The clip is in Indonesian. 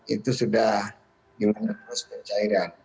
itu sudah dimana mana pencairan